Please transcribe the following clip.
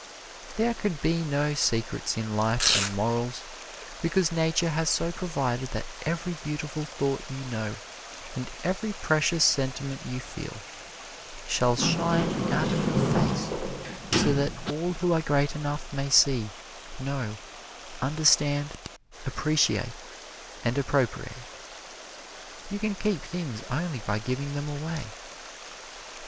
There can be no secrets in life and morals, because Nature has so provided that every beautiful thought you know and every precious sentiment you feel, shall shine out of your face so that all who are great enough may see, know, understand, appreciate and appropriate. You can keep things only by giving them away.